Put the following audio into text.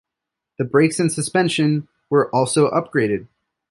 The brakes and suspension were also upgraded.